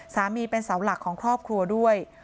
เป็นเสาหลักของครอบครัวด้วย